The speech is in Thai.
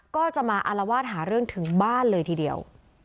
ก็จะมาอารวาสหาเรื่องถึงบ้านเลยทีเดียว